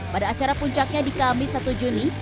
pada acara puncaknya di kamis satu juni